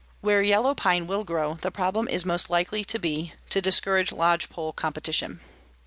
Where yellow pine will grow, the problem is most likely to be to discourage lodgepole competition.